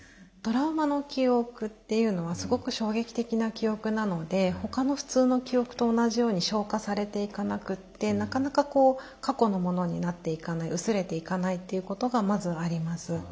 トラウマの記憶っていうのはすごく衝撃的な記憶なのでほかの普通の記憶と同じように消化されていかなくってなかなか過去のものになっていかない薄れていかないっていうことがまずあります。